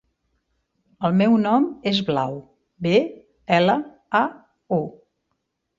El meu nom és Blau: be, ela, a, u.